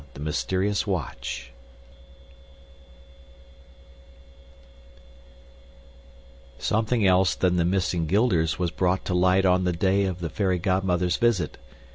The Mysterious Watch Something else than the missing guilders was brought to light on the day of the fairy godmother's visit.